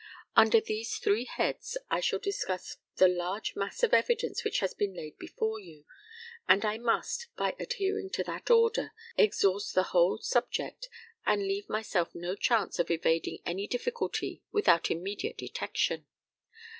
Under these three heads I shall discuss the large mass of evidence which has been laid before you; and I must, by adhering to that order, exhaust the whole subject, and leave myself no chance of evading any difficulty without immediate detection.